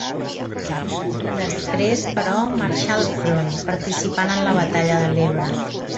Després, però, marxà al front, participant en la batalla de l'Ebre.